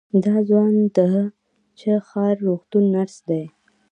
دا ځوان د هه چه ښار روغتون نرس دی.